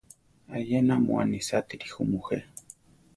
Ayena mu anisátiri ju mujé.